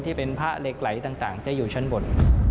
ที่เป็นพระเหล็กไหลต่างจะอยู่ชั้นบน